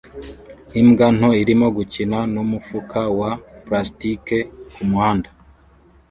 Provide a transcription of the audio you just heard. Imbwa nto irimo gukina n'umufuka wa plastike kumuhanda